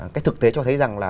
cái thực tế cho thấy rằng là